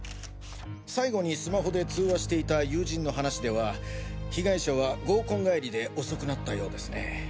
最後にスマホで通話していた友人の話では被害者は合コン帰りで遅くなったようですね。